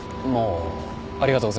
ありがとうございます。